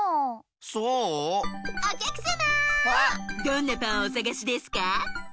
どんなパンをおさがしですか？